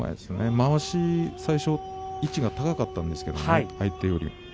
まわしの位置が高かったんですけど最初は相手よりも。